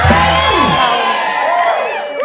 หูว